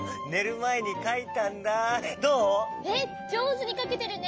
えっじょうずにかけてるね。